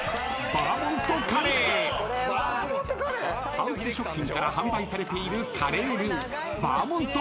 ［ハウス食品から販売されているカレールーバーモントカレー］